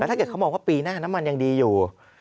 ถ้าเกิดเขามองว่าปีหน้าน้ำมันยังดีอยู่